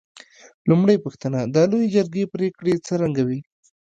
لومړۍ پوښتنه: د لویې جرګې پرېکړې څرنګه وې؟